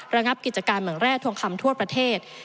ระงับกิจการเมืองแร่ทองคำทั่วประเทศ